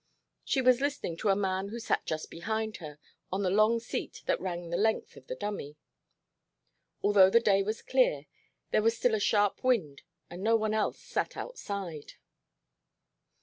She was listening to a man who sat just behind her on the long seat that ran the length of the dummy. Although the day was clear, there was still a sharp wind and no one else sat outside.